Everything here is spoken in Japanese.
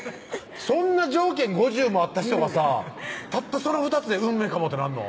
そんな条件５０もあった人がさたったその２つで運命かもってなんの？